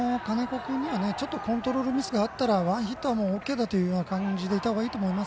君にはコントロールミスがあったらワンヒットはＯＫだという感じでいたほうがいいと思います。